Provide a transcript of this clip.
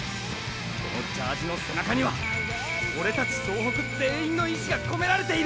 このジャージの背中にはオレたち総北全員の意志が込められている！